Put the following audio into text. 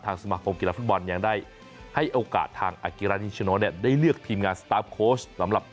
สมาคมกีฬาฟุตบอลยังได้ให้โอกาสทางอากิรานิชโนเนี่ยได้เลือกทีมงานสตาร์ฟโค้ชสำหรับ